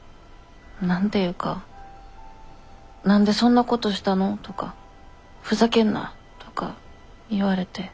「何でそんなことしたの？」とか「ふざけんな」とか言われて。